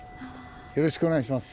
よろしくお願いします。